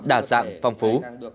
đa dạng phong phú